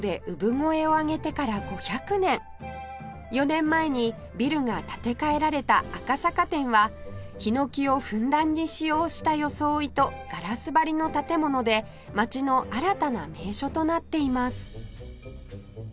４年前にビルが建て替えられた赤坂店は檜をふんだんに使用した装いとガラス張りの建物で街の新たな名所となっています